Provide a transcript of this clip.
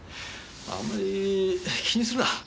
あんまり気にするな。